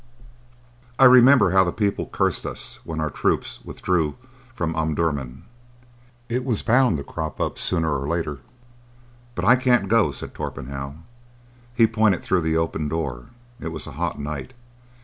"I remember how the people cursed us when our troops withdrew from Omdurman. It was bound to crop up sooner or later. But I can't go," said Torpenhow. He pointed through the open door; it was a hot night.